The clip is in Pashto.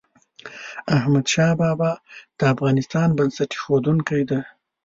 احمد شاه بابا د افغانستان بنسټ ایښودونکی ده.